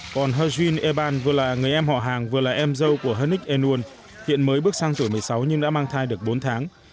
còn hờ duyên eban vừa là người em họ hàng vừa là em dâu của hân ních enun hiện mới bước sang tuổi một mươi sáu nhưng đã mang thai được bốn tháng